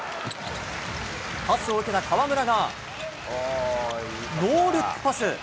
パスを受けたかわむらがノールックパス。